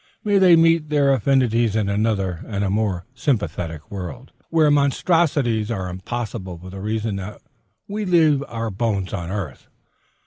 May they meet their affinities in another and a more sympathetic world, where monstrosities are impossible for the reason that we leave our bones on earth.